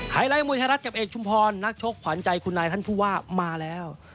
ไลท์มวยไทยรัฐกับเอกชุมพรนักชกขวัญใจคุณนายท่านผู้ว่ามาแล้ว